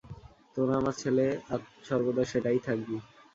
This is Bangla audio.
তোরা আমার ছেলে, আর সর্বদা সেটাই থাকবি।